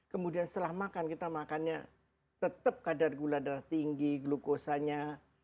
kemudian setelah makan kita makannya tetap kadar gula darah tinggi glukosanya